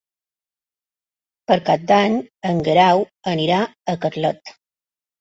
Per Cap d'Any en Guerau anirà a Carlet.